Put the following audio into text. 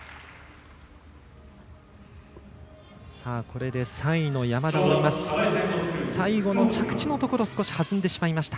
これで３位の山田を追います。